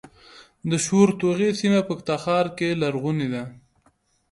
د شورتوغۍ سیمه په تخار کې لرغونې ده